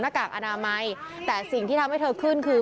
กากอนามัยแต่สิ่งที่ทำให้เธอขึ้นคือ